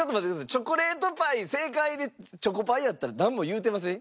チョコレートパイ正解でチョコパイやったらなんも言うてません？